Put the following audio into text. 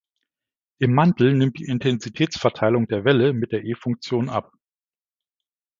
Im Mantel nimmt die Intensitätsverteilung der Welle mit der e-Funktion ab.